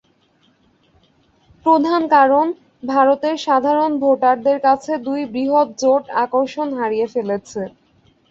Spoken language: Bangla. প্রধান কারণ, ভারতের সাধারণ ভোটারদের কাছে দুই বৃহৎ জোট আকর্ষণ হারিয়ে ফেলেছে।